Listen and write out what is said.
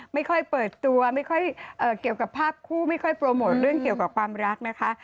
ไม่ค่อยเปิดตัวไม่ค่อยเกี่ยวกับภาพคู่ไม่ค่อยโปรโมทเรื่องเกี่ยวกับความรักนะคะ